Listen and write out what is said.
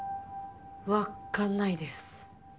わっかんないです。